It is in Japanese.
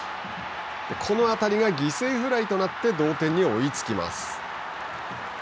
この当たりが犠牲フライとなって、同点に追いつきます。